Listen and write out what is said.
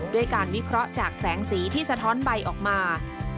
ด้วยการวิเคราะห์จากแสงสีที่สะท้อนใบออกมา